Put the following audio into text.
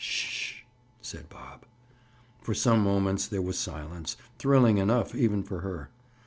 "S sh!" said Bob. For some moments there was silence, thrilling enough, even for her.